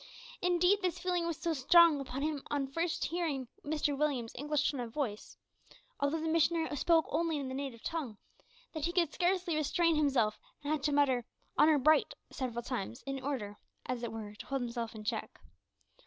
Indeed this feeling was so strong upon him on first hearing Mr Williams's English tone of voice although the missionary spoke only in the native tongue that he could scarcely restrain himself, and had to mutter "honour bright" several times, in order, as it were, to hold himself in check.